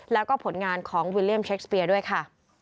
แล้วก็ผลงานของวิลเลี่ยมเช็คสเปียด้วยค่ะ